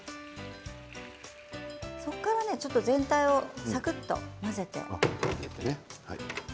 そこから全体をサクっと混ぜて。